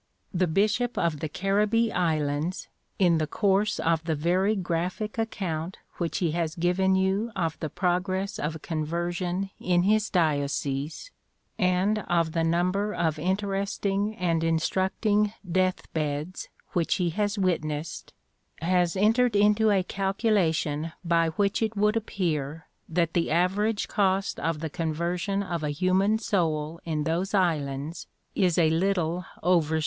"The Bishop of the Caribbee Islands, in the course of the very graphic account which he has given you of the progress of conversion in his diocese, and of the number of interesting and instructive deathbeds which he has witnessed, has entered into a calculation by which it would appear that the average cost of the conversion of a human soul in those islands is a little over £6.